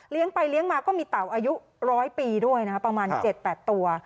เลี้ยงไปเลี้ยงมาก็มีเต่าอายุร้อยปีด้วยนะคะประมาณเจ็ดแปดตัว